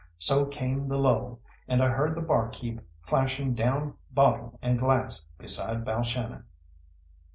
So came the lull, and I heard the bar keep clashing down bottle and glass beside Balshannon.